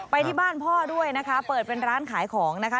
ไปที่บ้านพ่อด้วยนะคะเปิดเป็นร้านขายของนะคะ